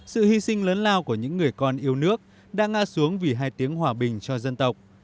sự hy sinh lớn lao của những người con yêu nước đã ngã xuống vì hai tiếng hòa bình cho dân tộc